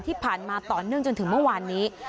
ที่ผ่านมาต่อเนื่องจนถึงเมื่อวานนี้